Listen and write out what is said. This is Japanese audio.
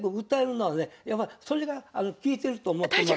やっぱりそれが効いてると思ってます。